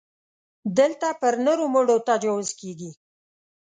دلته پر نرو مړو تجاوز کېږي.